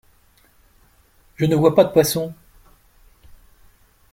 Je ne vois pas de poissons!